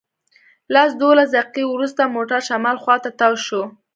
لس دولس دقیقې وروسته موټر شمال خواته تاو شو.